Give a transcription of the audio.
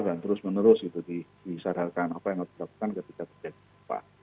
dan terus menerus itu disadarkan apa yang harus dilakukan ketika terjadi gempa